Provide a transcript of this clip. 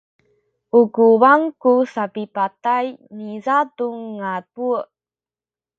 u kuwang ku sapipatay niza tu ngabul.